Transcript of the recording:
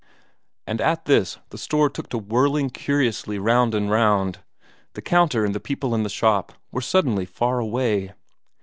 And at this the store took to whirling curiously round and round; the counter and the people in the shop were suddenly far away.